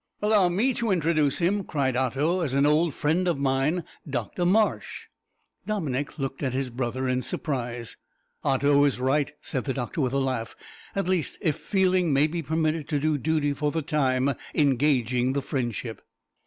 '" "Allow me to introduce him," cried Otto, "as an old friend of mine Dr Marsh." Dominick looked at his brother in surprise. "Otto is right," said the doctor, with a laugh, "at least if feeling may be permitted to do duty for time in gauging the friendship."